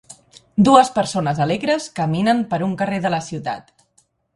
Dues persones alegres caminen per un carrer de la ciutat.